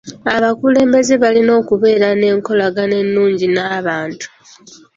Abakulembeze balina okubeera nenkolagana ennungi n'abantu.